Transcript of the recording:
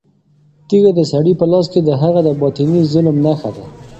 تیږه د سړي په لاس کې د هغه د باطني ظلم نښه وه.